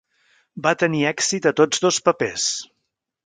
Va tenir èxit a tots dos papers.